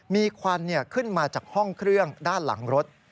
มีควันขึ้นมาจากห้องเครื่องด้านหลังรถ